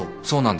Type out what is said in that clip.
そう。